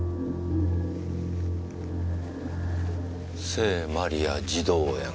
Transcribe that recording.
聖マリア児童園。